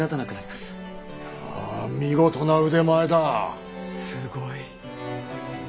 すごい。